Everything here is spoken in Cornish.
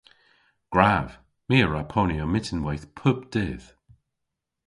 Gwrav! My a wra ponya myttinweyth pub dydh.